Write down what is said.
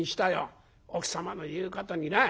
奥様の言うことにな」。